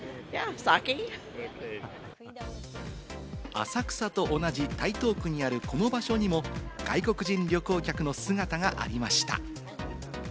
浅草と同じ台東区にあるこの場所にも外国人旅行客の姿がありました。